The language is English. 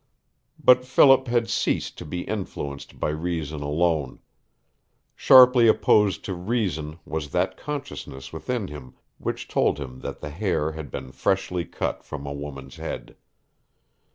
But Philip had ceased to be influenced by reason alone. Sharply opposed to reason was that consciousness within him which told him that the hair had been freshly cut from a woman's head.